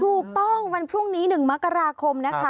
ถูกต้องวันพรุ่งนี้๑มกราคมนะคะ